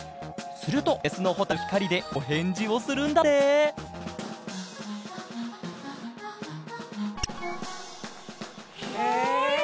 するとメスのホタルもひかりでおへんじをするんだってへえ！